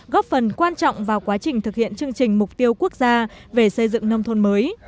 góp phần quan trọng vào quá trình thực hiện chương trình mục tiêu quốc gia về xây dựng nông thôn mới